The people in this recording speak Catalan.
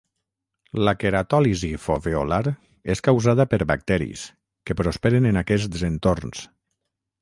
La queratòlisi foveolar és causada per bacteris, que prosperen en aquests entorns.